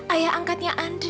ayah angkatnya andre